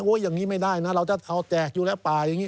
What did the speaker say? อย่างนี้ไม่ได้นะเราจะเทาแจกอยู่แล้วป่าอย่างนี้